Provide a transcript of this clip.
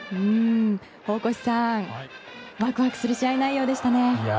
大越さんワクワクする試合内容でしたね。